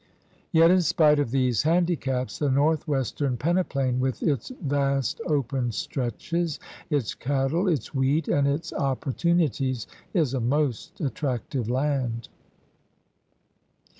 Yet in spite of these handicaps the northwestern peneplain with its vast open stretches, its cattle, its wheat, and its opportunities is a most attractive land.